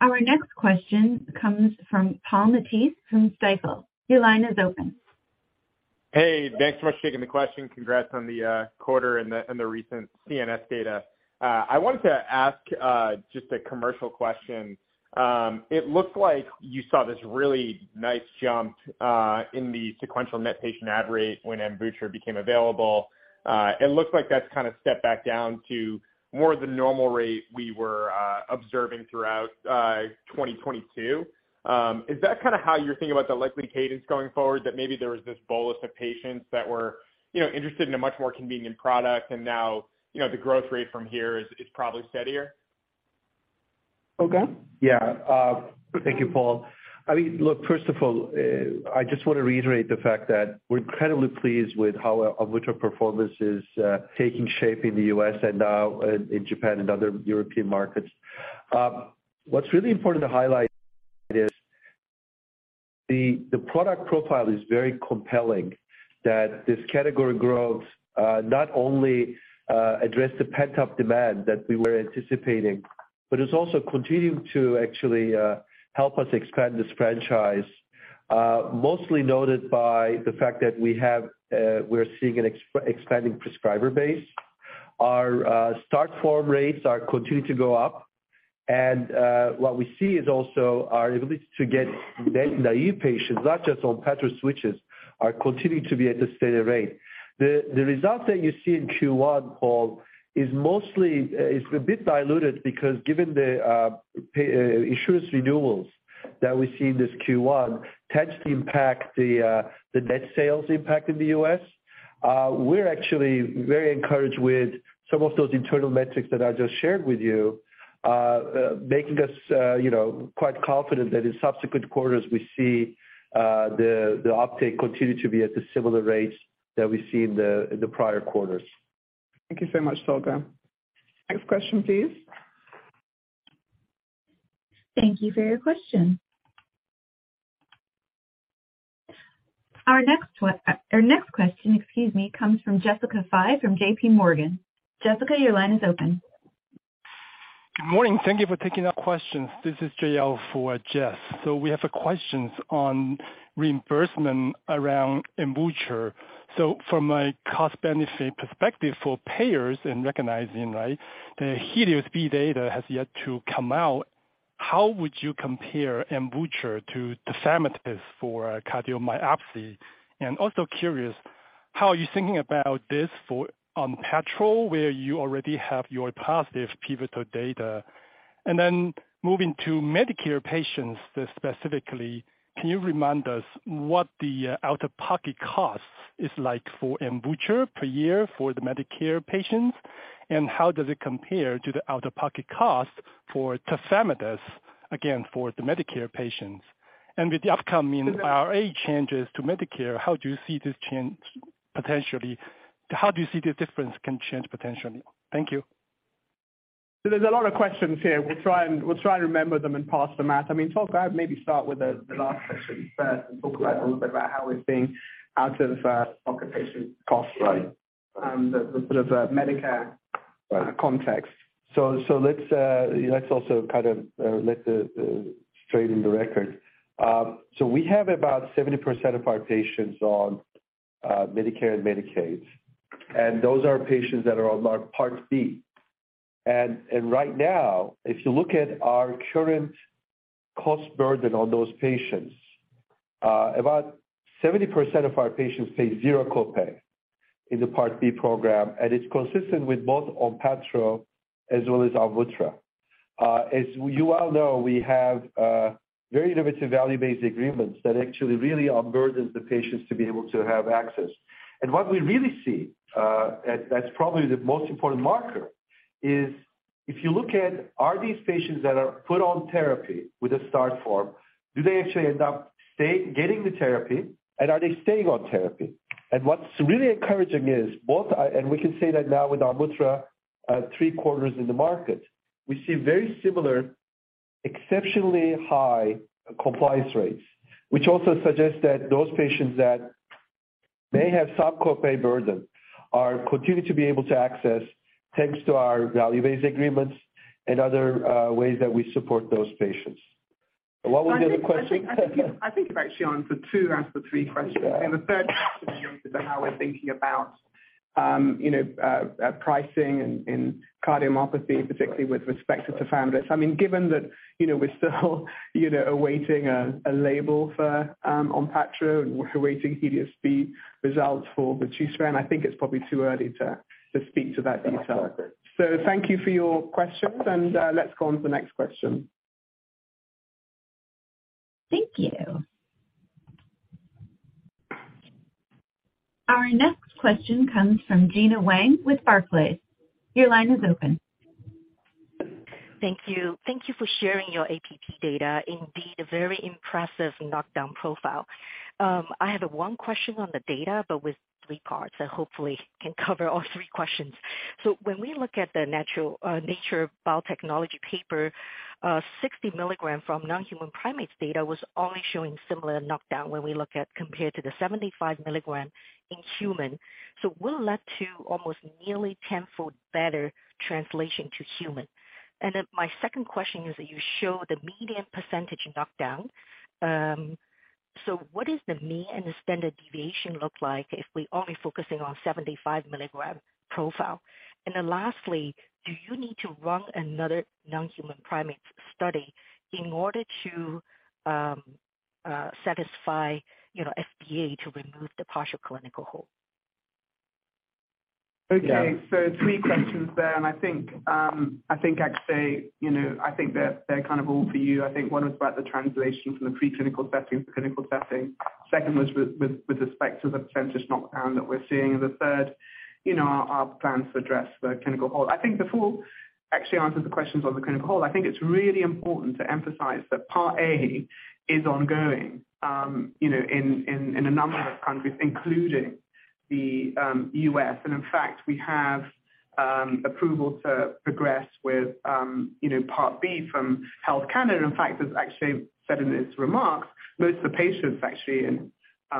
Our next question comes from Paul Matteis from Stifel. Your line is open. Hey. Thanks so much for taking the question. Congrats on the quarter and the recent CNS data. I wanted to ask just a commercial question. It looks like you saw this really nice jump in the sequential net patient add rate when AMVUTTRA became available. It looks like that's kinda stepped back down to more the normal rate we were observing throughout 2022. Is that kinda how you're thinking about the likely cadence going forward, that maybe there was this bolus of patients that were, you know, interested in a much more convenient product and now, you know, the growth rate from here is probably steadier? Okay. Thank you, Paul. I mean, look, first of all, I just want to reiterate the fact that we're incredibly pleased with how AMVUTTRA performance is taking shape in the U.S. and now in Japan and other European markets. What's really important to highlight is the product profile is very compelling, this category growth not only address the pent-up demand that we were anticipating, it's also continuing to actually help us expand this franchise, mostly noted by the fact that we're seeing an expanding prescriber base. Our start form rates are continuing to go up. What we see is also our ability to get net naive patients, not just ONPATTRO switchers, are continuing to be at a steady rate. The result that you see in Q1, Paul, is a bit diluted because given the insurance renewals that we see in this Q1 tends to impact the net sales impact in the US. We're actually very encouraged with some of those internal metrics that I just shared with you, making us, you know, quite confident that in subsequent quarters, we see the uptake continue to be at the similar rates that we see in the prior quarters. Thank you so much, Tolga. Next question, please. Thank you for your question. Our next question, excuse me, comes from Jessica Fye from JPMorgan. Jessica, your line is open. Good morning. Thank you for taking our questions. This is JL for Jess. We have a questions on reimbursement around AMVUTTRA. From a cost-benefit perspective for payers and recognizing, right, the HELIOS-B data has yet to come out, how would you compare AMVUTTRA to tafamidis for cardiomyopathy? Also curious, how are you thinking about this for ONPATTRO, where you already have your positive pivotal data? Moving to Medicare patients specifically, can you remind us what the out-of-pocket cost is like for AMVUTTRA per year for the Medicare patients? How does it compare to the out-of-pocket cost for tafamidis, again, for the Medicare patients? With the upcoming IRA changes to Medicare, how do you see this change potentially? How do you see this difference can change potentially? Thank you. There's a lot of questions here. We'll try and remember them and pass them out. I mean, Tolga, maybe start with the last question first and talk a little bit about how we're seeing out-of-pocket patient costs... Right. the sort of, Medicare context. Let's also kind of straighten the record. We have about 70% of our patients on Medicare and Medicaid, and those are patients that are on our Part B. Right now, if you look at our current cost burden on those patients, about 70% of our patients pay 0 copay in the Part B program, and it's consistent with both ONPATTRO as well as AMVUTTRA. As you all know, we have very innovative value-based agreements that actually really unburdens the patients to be able to have access. What we really see, that's probably the most important marker is if you look at are these patients that are put on therapy with a start form, do they actually end up getting the therapy and are they staying on therapy? What's really encouraging is and we can say that now with IMVUGRA, three quarters in the market, we see very similar exceptionally high compliance rates, which also suggests that those patients that may have some copay burden are continuing to be able to access thanks to our value-based agreements and other ways that we support those patients. What was the other question? I think you've actually answered two out of the three questions. The third question is about how we're thinking about, you know, pricing in cardiomyopathy, particularly with respect to Tafamidis. I mean, given that, you know, we're still, you know, awaiting a label for ONPATTRO and we're awaiting HELIOS-B results for vutrisiran, I think it's probably too early to speak to that detail. Thank you for your questions and let's go on to the next question. Thank you. Our next question comes from Gena Wang with Barclays. Your line is open. Thank you. Thank you for sharing your APP data. Indeed, a very impressive knockdown profile. I have 1 question on the data, but with 3 parts that hopefully can cover all 3 questions. When we look at the Nature Biotechnology paper, 60 milligram from non-human primates data was only showing similar knockdown when we look at compared to the 75 milligram in human. What led to almost nearly tenfold better translation to human? My second question is that you show the median % knockdown. What is the mean and the standard deviation look like if we're only focusing on 75 milligram profile? Lastly, do you need to run another non-human primate study in order to satisfy, you know, FDA to remove the partial clinical hold? Okay. Yeah. Three questions there. I think I'd say, you know, I think they're kind of all for you. I think 1 was about the translation from the preclinical setting to clinical setting. Second was with respect to the % knockdown that we're seeing. The third, you know, our plans to address the clinical hold. I think before actually answer the questions on the clinical hold, I think it's really important to emphasize that Part A is ongoing, you know, in a number of countries, including the U.S. In fact, we have approval to progress with, you know, Part B from Health Canada. In fact, as actually said in his remarks, most of the patients actually in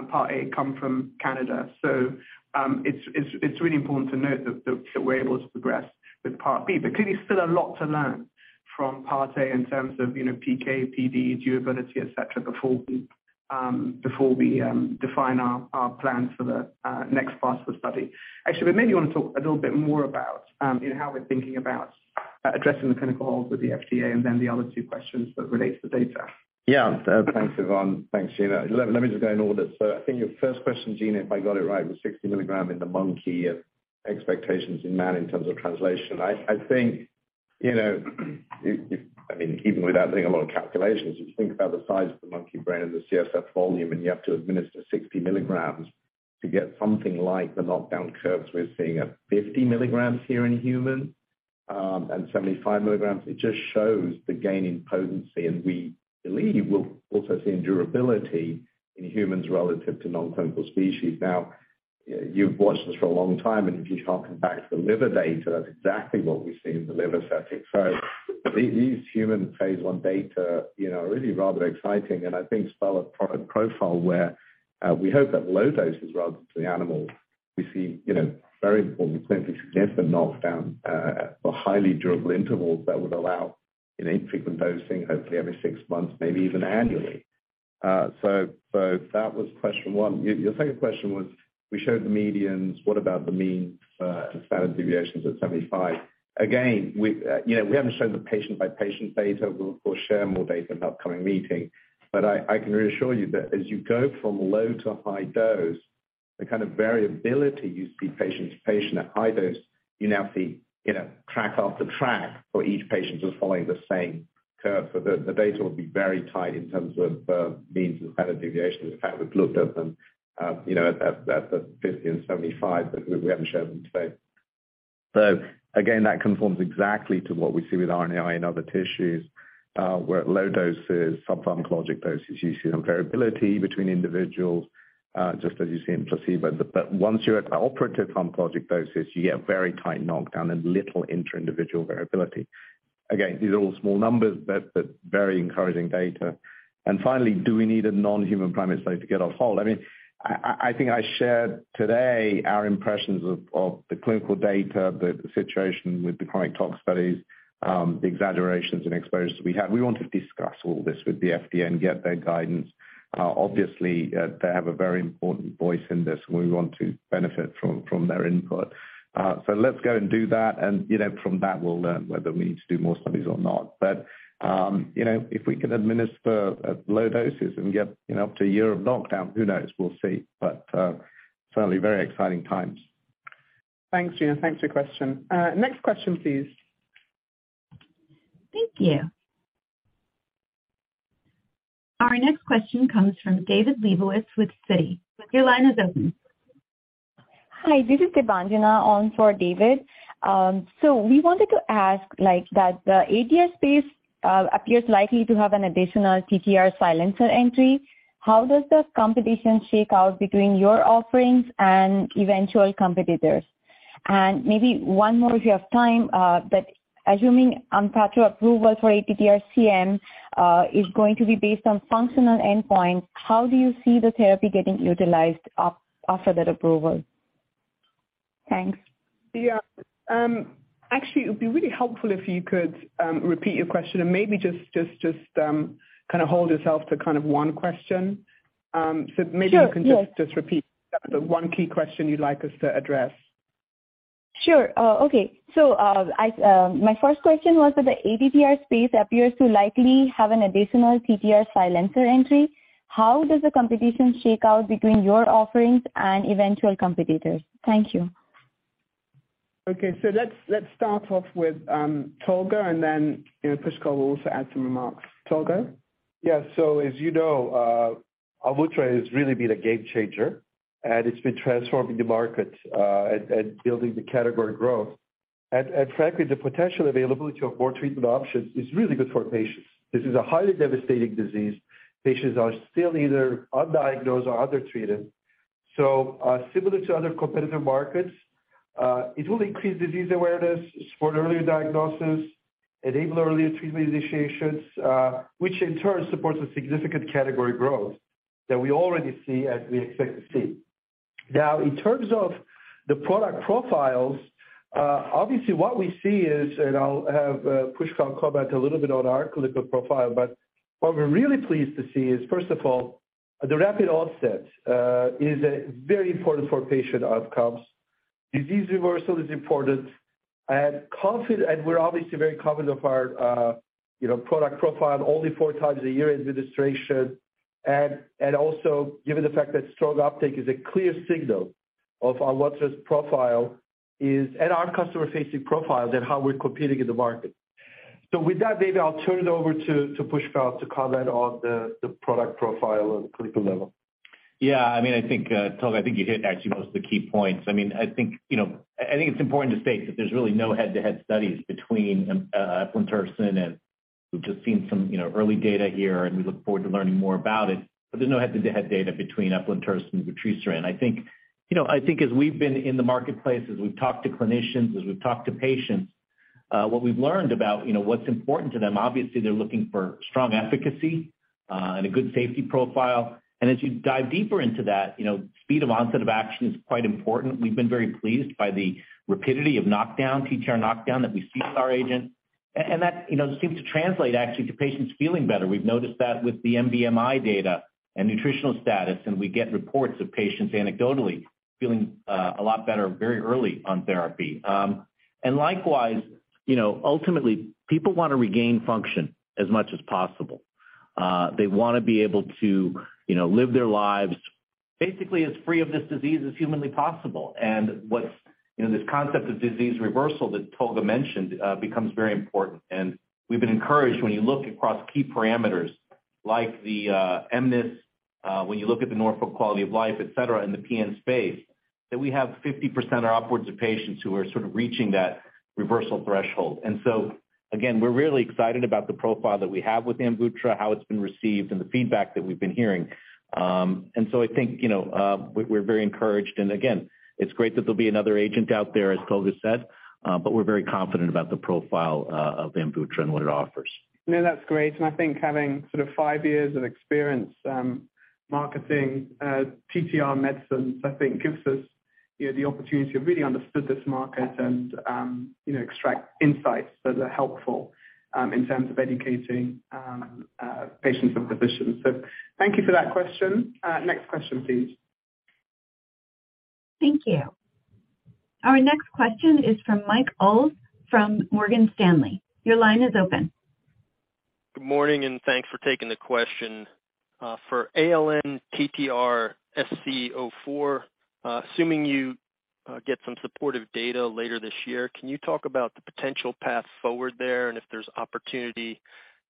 Part A come from Canada. It's really important to note that we're able to progress with Part B. Clearly still a lot to learn from Part A in terms of, you know, PK, PD, durability, etc., before we define our plans for the next part of the study. Actually, we maybe want to talk a little bit more about, you know, how we're thinking about addressing the clinical hold with the FDA and then the other two questions that relate to the data. Yeah. Thanks, Yvonne. Thanks, Gina. Let me just go in order. I think your first question, Gina, if I got it right, was 60 milligram in the monkey and expectations in man in terms of translation. I think, you know, if, I mean, even without doing a lot of calculations, if you think about the size of the monkey brain and the CSF volume, and you have to administer 60 milligrams to get something like the knockdown curves we're seeing at 50 milligrams here in humans, and 75 milligrams, it just shows the gain in potency, and we believe we'll also see in durability in humans relative to non-clinical species. Now, you've watched this for a long time, and if you harken back to the liver data, that's exactly what we see in the liver setting. These human phase I data, you know, are really rather exciting and I think spell a product profile where we hope that low doses relative to the animals we see, you know, very important, clinically significant knockdown for highly durable intervals that would allow infrequent dosing hopefully every six months, maybe even annually. So that was question one. Your, your second question was we showed the medians, what about the means and standard deviations at 75? Again, we, you know, we haven't shown the patient-by-patient data. We'll of course share more data in upcoming meeting. I can reassure you that as you go from low to high dose, the kind of variability you see patient to patient at high dose, you now see, you know, track after track for each patient who's following the same curve. The data will be very tight in terms of means and standard deviations. In fact, we've looked at them, you know, at 50 and 75, but we haven't showed them today. Again, that conforms exactly to what we see with RNAi in other tissues, where at low doses, sub-pharmacologic doses, you see some variability between individuals, just as you see in placebo. Once you're at the operative pharmacologic doses, you get very tight knockdown and little inter-individual variability. Again, these are all small numbers, but very encouraging data. Finally, do we need a non-human primate study to get off hold? I mean, I think I shared today our impressions of the clinical data, the situation with the chronic tox studies, the exaggerations in exposures that we have. We want to discuss all this with the FDA and get their guidance. Obviously, they have a very important voice in this, and we want to benefit from their input. Let's go and do that and, you know, from that we'll learn whether we need to do more studies or not. You know, if we can administer at low doses and get, you know, up to a year of knockdown, who knows? We'll see. Certainly very exciting times. Thanks, Gina. Thanks for your question. next question, please. Thank you. Our next question comes from David Lebowitz with Citi. Your line is open. Hi, this is Devanjina on for David. We wanted to ask, like, that the ATTR space appears likely to have an additional TTR silencer entry. How does the competition shake out between your offerings and eventual competitors? Maybe one more if you have time. Assuming ONPATTRO approval for ATTR-CM is going to be based on functional endpoint, how do you see the therapy getting utilized after that approval? Thanks. Yeah. Actually, it would be really helpful if you could repeat your question and maybe just kind of hold yourself to kind of one question. Sure. Yes. you can just repeat the one key question you'd like us to address. Sure. Okay. I, my first question was that the ADPR space appears to likely have an additional TTR silencer entry. How does the competition shake out between your offerings and eventual competitors? Thank you. Okay. Let's start off with Tolga, and then, you know, Pushkal will also add some remarks. Tolga? Yeah. As you know, AMVUTTRA has really been a game changer, and it's been transforming the market, and building the category growth. Frankly, the potential availability of more treatment options is really good for patients. This is a highly devastating disease. Patients are still either undiagnosed or undertreated. Similar to other competitive markets, it will increase disease awareness, support earlier diagnosis, enable earlier treatment initiations, which in turn supports a significant category growth that we already see and we expect to see. In terms of the product profiles, obviously what we see is, and I'll have Pushkar comment a little bit on our clinical profile, but what we're really pleased to see is, first of all, the rapid onset, is very important for patient outcomes. Disease reversal is important and we're obviously very confident of our, you know, product profile, only four times a year administration. Also given the fact that strong uptake is a clear signal of our vutrisiran's profile and our customer-facing profile than how we're competing in the market. With that, David, I'll turn it over to Pushkar to comment on the product profile at the clinical level. I mean, I think Tolga, I think you hit actually most of the key points. I mean, I think, you know, I think it's important to state that there's really no head-to-head studies between eplerenone and we've just seen some, you know, early data here, and we look forward to learning more about it. There's no head-to-head data between eplerenone and vutrisiran. I think, you know, I think as we've been in the marketplace, as we've talked to clinicians, as we've talked to patients, what we've learned about, you know, what's important to them, obviously they're looking for strong efficacy and a good safety profile. As you dive deeper into that, you know, speed of onset of action is quite important. We've been very pleased by the rapidity of knockdown, TTR knockdown that we see with our agent. That, you know, seems to translate actually to patients feeling better. We've noticed that with the mBMI data and nutritional status, and we get reports of patients anecdotally feeling a lot better very early on therapy. Likewise, you know, ultimately, people wanna regain function as much as possible. They wanna be able to, you know, live their lives basically as free of this disease as humanly possible. What's, you know, this concept of disease reversal that Tolga mentioned, becomes very important. We've been encouraged when you look across key parameters like the mNIS, when you look at the Norfolk Quality of Life, et cetera, in the PN space, that we have 50% or upwards of patients who are sort of reaching that reversal threshold. Again, we're really excited about the profile that we have with AMVUTTRA, how it's been received, and the feedback that we've been hearing. I think, you know, we're very encouraged. Again, it's great that there'll be another agent out there, as Tolga said, but we're very confident about the profile of AMVUTTRA and what it offers. No, that's great. I think having sort of five years of experience, marketing, TTR medicines, I think gives us, you know, the opportunity to really understood this market and you extract insights that are helpful, in terms of educating, patients and physicians. Thank you for that question. Next question, please. Thank you. Our next question is from Mike Ulz from Morgan Stanley. Your line is open. Good morning, and thanks for taking the question. For ALN-TTRsc04, assuming you get some supportive data later this year, can you talk about the potential path forward there and if there's opportunity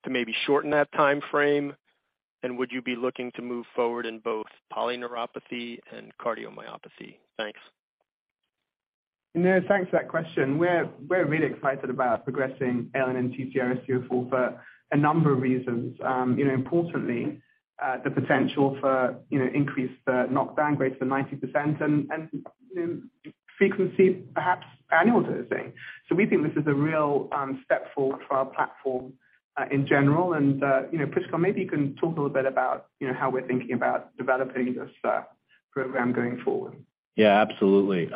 to maybe shorten that timeframe? Would you be looking to move forward in both polyneuropathy and cardiomyopathy? Thanks. No, thanks for that question. We're really excited about progressing ALN-TTRsc04 for a number of reasons. You know, importantly, the potential for, you know, increased knockdown greater than 90% and frequency, perhaps annual dosing. We think this is a real step forward for our platform in general. You know, Prisco, maybe you can talk a little bit about, you know, how we're thinking about developing this program going forward. Yeah, absolutely.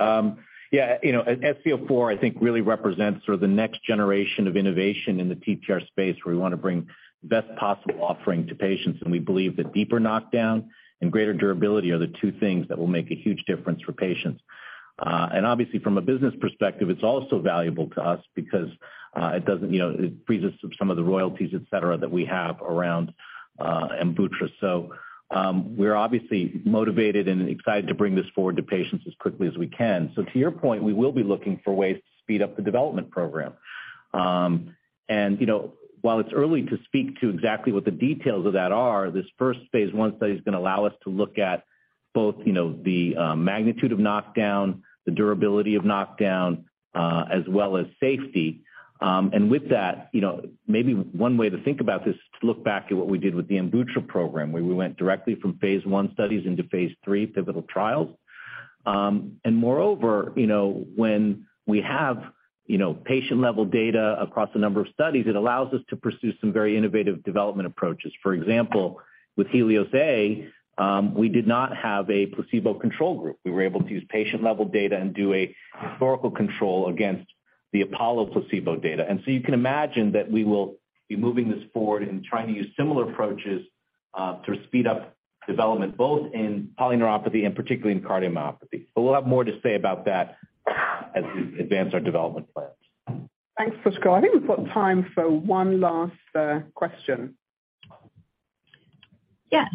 yeah, you know, SC04, I think, really represents sort of the next generation of innovation in the TTR space, where we wanna bring the best possible offering to patients. We believe that deeper knockdown and greater durability are the two things that will make a huge difference for patients. Obviously, from a business perspective, it's also valuable to us because, it doesn't, you know, it frees us of some of the royalties, et cetera, that we have around, AMVUTTRA. We're obviously motivated and excited to bring this forward to patients as quickly as we can. To your point, we will be looking for ways to speed up the development program. You know, while it's early to speak to exactly what the details of that are, this first phase I study is gonna allow us to look at both, you know, the magnitude of knockdown, the durability of knockdown, as well as safety. With that, you know, maybe one way to think about this is to look back at what we did with the AMVUTTRA program, where we went directly from phase I studies into phase III pivotal trials. You know, when we have, you know, patient-level data across a number of studies, it allows us to pursue some very innovative development approaches. For example, with HELIOS-A, we did not have a placebo control group. We were able to use patient-level data and do a historical control against the APOLLO placebo data. You can imagine that we will be moving this forward and trying to use similar approaches to speed up development, both in polyneuropathy and particularly in cardiomyopathy. We'll have more to say about that as we advance our development plans. Thanks, Pushkal. I think we've got time for one last question. Yes.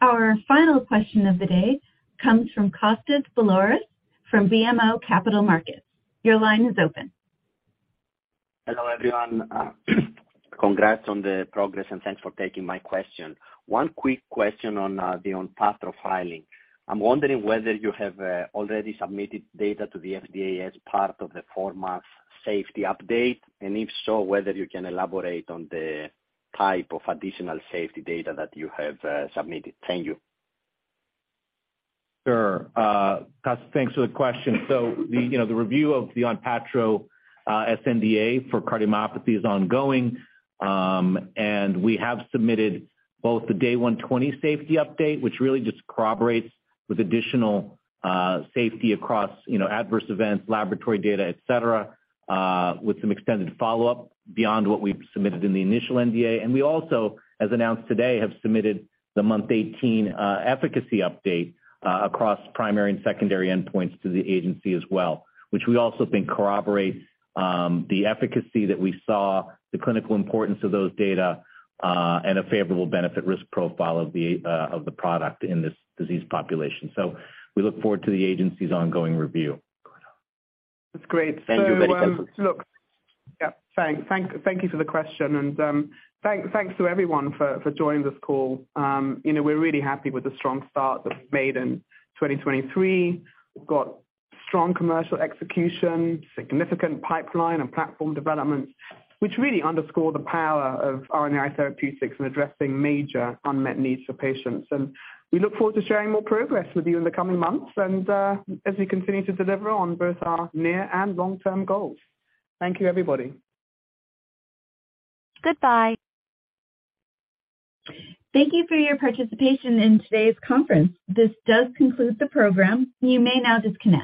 Our final question of the day comes from Kostas Biliouris from BMO Capital Markets. Your line is open. Hello, everyone. congrats on the progress, and thanks for taking my question. One quick question on the ONPATTRO filing. I'm wondering whether you have already submitted data to the FDA as part of the four-month safety update, and if so, whether you can elaborate on the type of additional safety data that you have submitted? Thank you. Sure. Kostas, thanks for the question. The, you know, the review of the ONPATTRO SNDA for cardiomyopathy is ongoing, and we have submitted both the day 120 safety update, which really just corroborates with additional safety across, you know, adverse events, laboratory data, et cetera, with some extended follow-up beyond what we've submitted in the initial NDA. We also, as announced today, have submitted the month 18 efficacy update across primary and secondary endpoints to the agency as well, which we also think corroborates the efficacy that we saw, the clinical importance of those data, and a favorable benefit risk profile of the product in this disease population. We look forward to the agency's ongoing review. That's great. Thank you very much. Look. Yeah, thank you for the question, and thanks to everyone for joining this call. You know, we're really happy with the strong start that we've made in 2023. We've got strong commercial execution, significant pipeline and platform development, which really underscore the power of RNA therapeutics in addressing major unmet needs for patients. We look forward to sharing more progress with you in the coming months and as we continue to deliver on both our near and long-term goals. Thank you, everybody. Goodbye. Thank you for your participation in today's conference. This does conclude the program. You may now disconnect.